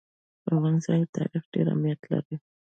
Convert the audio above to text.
په افغانستان کې تاریخ ډېر اهمیت لري.